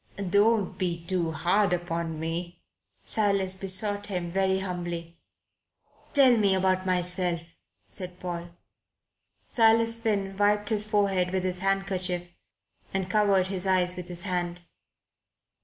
"Don't be too hard upon me," Silas besought him very humbly. "Tell me about myself," said Paul. Silas Finn wiped his forehead with his handkerchief and covered his eyes with his hand.